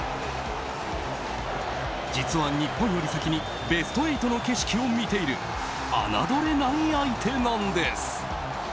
実は、日本より先にベスト８の景色を見ている侮れない相手なんです。